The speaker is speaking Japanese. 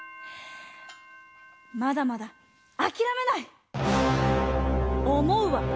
まだまだあきらめない！